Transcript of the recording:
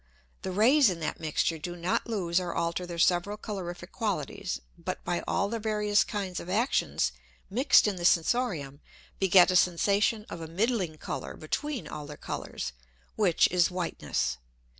The Rays in that mixture do not lose or alter their several colorific qualities, but by all their various kinds of Actions mix'd in the Sensorium, beget a Sensation of a middling Colour between all their Colours, which is whiteness.